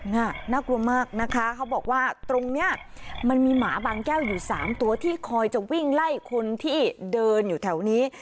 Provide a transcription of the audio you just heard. น่ากลัวมากนะคะเขาบอกว่าตรงนี้มันมีหมาบางแก้วอยู่๓ตัวที่คอยจะวิ่งไล่คนที่เดินอยู่แถวนี้